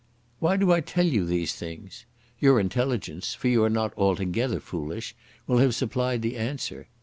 "Why do I tell you these things? Your intelligence, for you are not altogether foolish, will have supplied the answer.